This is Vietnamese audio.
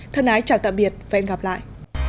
thân ái chào tạm biệt và hẹn gặp lại